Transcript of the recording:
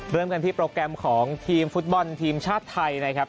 เริ่มกันที่โปรแกรมของทีมฟุตบอลทีมชาติไทยนะครับ